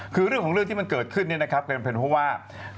คือเรื่องของเรื่องที่มันเกิดขึ้นเนี่ยนะครับก็เป็นเพราะว่า